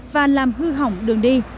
và làm hư hỏng đường đi